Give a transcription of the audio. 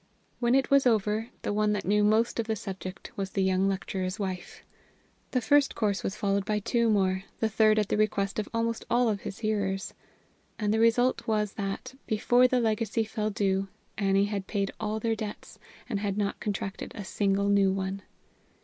When it was over, the one that knew most of the subject was the young lecturer's wife. The first course was followed by two more, the third at the request of almost all his hearers. And the result; was that, before the legacy fell due, Annie had paid all their debts and had not contracted a single new one.